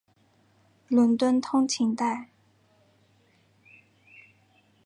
伦敦通勤带。